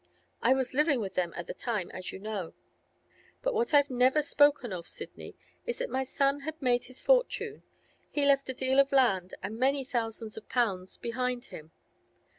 I was living with them at the time, as you know. But what I've never spoken of, Sidney, is that my son had made his fortune. He left a deal of land, and many thousands of pounds, behind him.